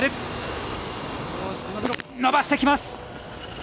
伸ばしてきます！